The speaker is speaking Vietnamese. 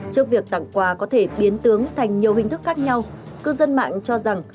trước việc tặng quà có thể biến tướng thành nhiều hình thức khác nhau cư dân mạng cho rằng